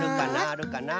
あるかな？